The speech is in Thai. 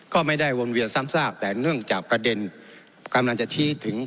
ก็ไม่ได้วนเวียนซ้ำซากแต่เนื่องจากประเด็นกำลังจะชี้ถึง